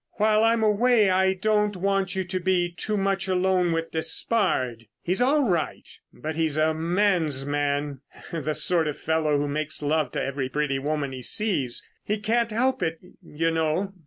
While I'm away I don't want you to be too much alone with Despard. He's all right, but he's a man's man—the sort of fellow who makes love to every pretty woman he sees. He can't help it, you know."